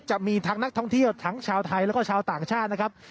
จะมีทั้งนักท่องเที่ยวทั้งชาวไทยแล้วก็ชาวต่างชาตินะครับ